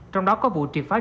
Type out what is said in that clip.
trong đó có vụ triệt phá định